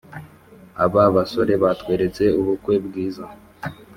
Aba basore batweretse ubukwe bwiza